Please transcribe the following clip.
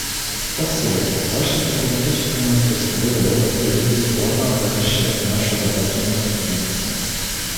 Послы, ваше дипломатическое мастерство и опыт будут бесспорно обогащать нашу работу на Конференции.